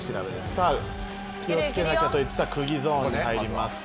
さあ気をつけなきゃと言ってたクギゾーンに入ります。